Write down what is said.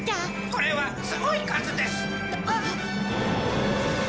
これはすごい数です。